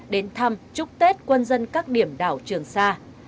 đến thăm chúc tết quân dân các điểm đảo trường sa